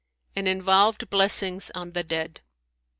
and involved blessings on the dead.